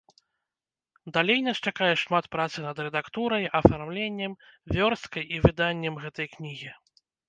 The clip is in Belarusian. Далей нас чакае шмат працы над рэдактурай, афармленнем, вёрсткай і выданнем гэтай кнігі.